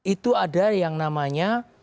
itu ada yang namanya